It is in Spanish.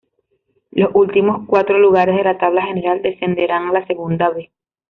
Los últimos cuatro lugares de la tabla general descenderán a la Segunda 'B'.